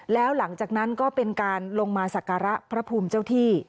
แล้วหลังจากนั้นก็เป็นการลงมาสักการะพระภูมิเจ้าที่